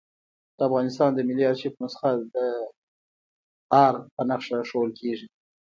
د افغانستان د ملي آرشیف نسخه د آر په نخښه ښوول کېږي.